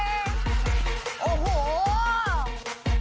เออมันก็อย่างนั้นเนี่ย